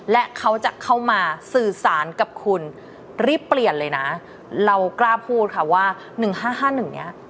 และเขาจะเข้ามาสื่อสารกับคุณรีบเปลี่ยนเลยนะเรากล้าพูดค่ะว่า๑๕๕๑เนี่ย